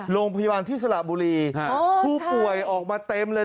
โรงพยาบาลที่สระบุรีผู้ป่วยออกมาเต็มเลย